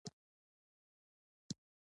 آیا د سهار لمونځ په جومات کې کول غوره نه دي؟